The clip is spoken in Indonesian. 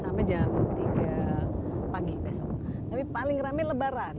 sampai jam tiga pagi besok tapi paling rame lebaran